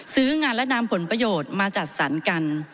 ซื้องานและนำผลประโยชน์มาจัดสรรกัน